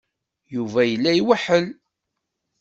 Yuba yella iweḥḥel.